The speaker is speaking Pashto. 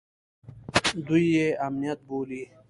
دوى يې امنيت بولي.